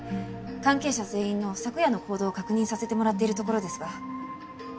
関係者全員の昨夜の行動を確認させてもらっているところですが。